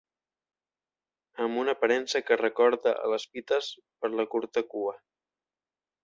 Amb una aparença que recorda a les pites, per la curta cua.